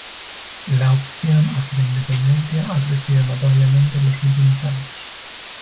La opción hacia la independencia ha crecido notablemente en los últimos años.